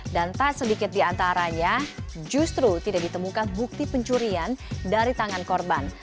dan tak sedikit di antaranya justru tidak ditemukan bukti pencurian dari tangan korban